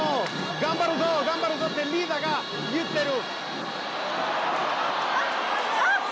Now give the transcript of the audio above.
頑張るぞ頑張るぞってみんなが言ってる。